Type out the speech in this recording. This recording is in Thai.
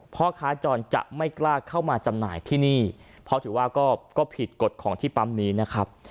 พ่อค้าจรจะไม่กล้าเข้ามาจำหน่ายที่นี่เพราะถือว่าก็ผิดกฎของที่ปั๊มนี้นะครับ